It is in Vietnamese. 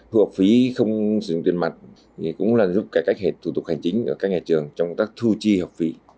thu học phí không tiền mặt thì cũng là giúp cải cách hệ thủ tục hành chính ở các nhà trường trong các thu chi học phí